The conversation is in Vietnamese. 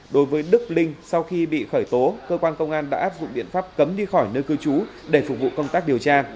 đối với đức linh sau khi bị khởi tố cơ quan công an đã áp dụng biện pháp cấm đi khỏi nơi cư trú để phục vụ công tác điều tra